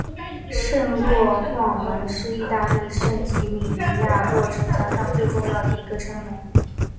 圣若望门是意大利圣吉米尼亚诺城墙上最重要的一个城门。